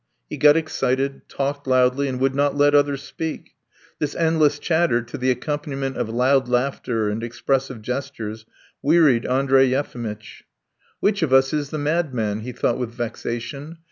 He got excited, talked loudly, and would not let others speak. This endless chatter to the accompaniment of loud laughter and expressive gestures wearied Andrey Yefimitch. "Which of us is the madman?" he thought with vexation.